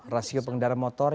rasio pengendara motor